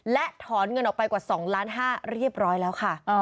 และถอนเงินออกไปกว่า๒ล้าน๕เรียบร้อยแล้วค่ะ